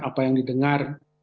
apa yang didengar